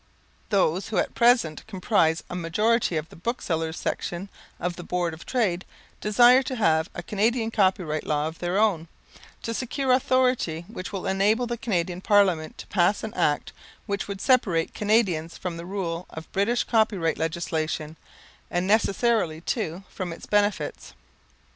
Those who at present comprise a majority of the Booksellers' Section of the Board of Trade desire to have a Canadian copyright law of their own, to secure authority which will enable the Canadian Parliament to pass an Act which would separate Canadians from the rule of British copyright legislation, and necessarily, too, from its benefits.